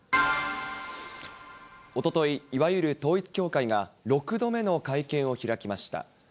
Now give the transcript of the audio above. おととい、いわゆる統一教会が６度目の会見を開きました。